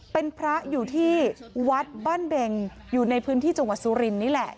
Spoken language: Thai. เป็นพระอยู่ที่วัดบ้านเบงอยู่ในพื้นที่จังหวัดสุรินนี่แหละ